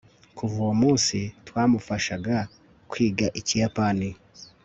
kuva uwo munsi, twamufashaga kwiga ikiyapani